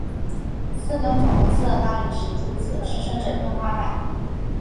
四根粉红色大理石柱子支持着天花板。